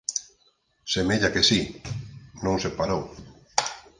Semella que si. Non se parou.